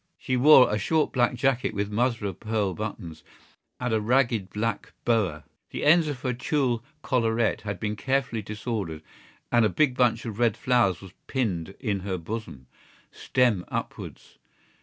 She wore a short black jacket with mother of pearl buttons and a ragged black boa. The ends of her tulle collarette had been carefully disordered and a big bunch of red flowers was pinned in her bosom, stems upwards.